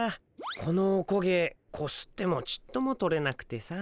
このおこげこすってもちっとも取れなくてさ。